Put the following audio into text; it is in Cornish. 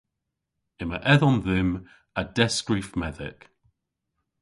Yma edhom dhymm a destskrif medhek.